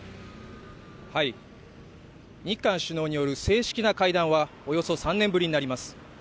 日韓首脳による正式な会談はおよそ３年ぶりになります。